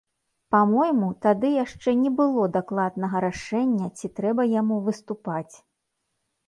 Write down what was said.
Па-мойму, тады яшчэ не было дакладнага рашэння, ці трэба яму выступаць.